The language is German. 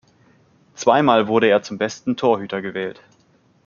Zweimal wurde er zum besten Torhüter gewählt.